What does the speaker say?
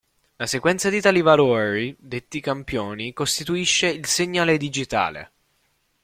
La sequenza di tali valori, detti campioni, costituisce il segnale digitale.